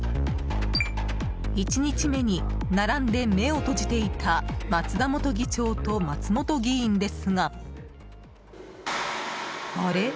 １日目に並んで目を閉じていた松田元議長と松本議員ですがあれ？